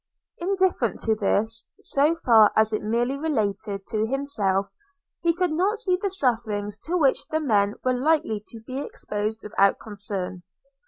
Indifferent to this, so far as it merely related to himself, he could not see the sufferings to which the men were likely to be exposed without concern.